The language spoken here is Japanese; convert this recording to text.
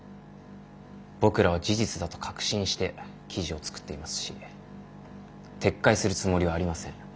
僕らは事実だと確信して記事を作っていますし撤回するつもりはありません。